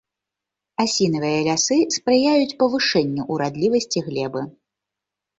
Асінавыя лясы спрыяюць павышэнню ўрадлівасці глебы.